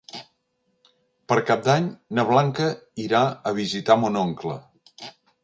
Per Cap d'Any na Blanca irà a visitar mon oncle.